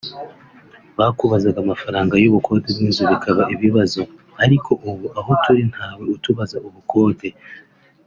Bakubazaga amafaranga y’ubukode bw’inzu bikaba ibibazo ariko ubu aho turi ntawe utubaza ubukode